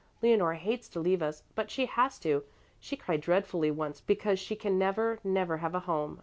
Leonore hates to leave us, but she has to. She cried dreadfully once because she can never, never have a home.